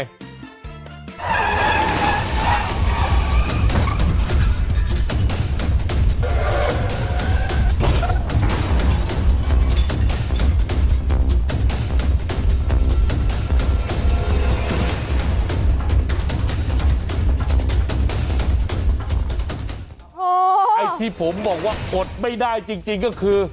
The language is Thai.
โอ๊ยอย่างที่ผมบอกว่าอดไม่ได้จริงก็คือ